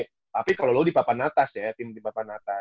tapi kalo lu di papan atas ya